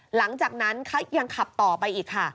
หลังจากนั้นยังขับต่อไปอีกค่ะ